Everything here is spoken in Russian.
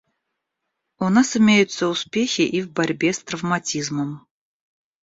У нас имеются успехи и в борьбе с травматизмом.